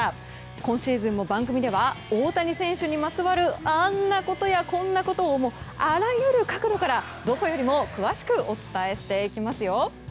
今シーズンも番組では大谷選手にまつわるあんなことやこんなことをあらゆる角度からどこよりも詳しくお伝えしていきますよ。